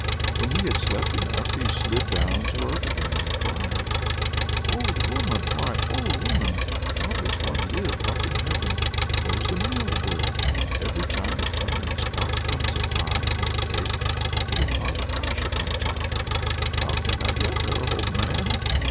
When he had slept enough he slid down to earth again, and cried: "Old woman! why, old woman! how one does live up in heaven! There's a mill there every time it turns, out come a pie and a cake, with a pot of kasha on top!" "How can I get there, old man?"